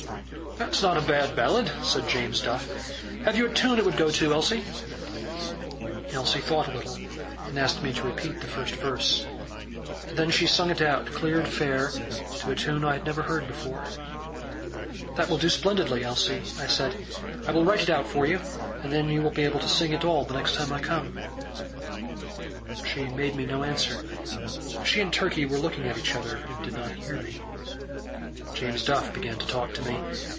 "That's not a bad ballad," said James Duff. "Have you a tune it would go to, Elsie?" Elsie thought a little, and asked me to repeat the first verse. Then she sung it out clear and fair to a tune I had never heard before. "That will do splendidly, Elsie," I said. "I will write it out for you, and then you will be able to sing it all the next time I come." She made me no answer. She and Turkey were looking at each other, and did not hear me. James Duff began to talk to me.